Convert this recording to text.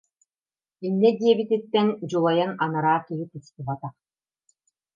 Инньэ диэбититтэн дьулайан анараа киһи тустубатах